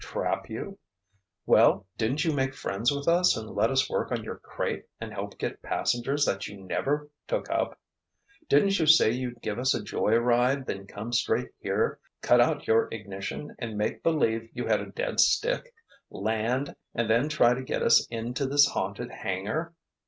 "Trap you?——" "Well, didn't you make friends with us and let us work on your crate and help get passengers that you never took up? Didn't you say you'd give us a joy ride, then come straight here, cut out your ignition and make believe you had a dead stick, land and then try to get us into this haunted hangar?"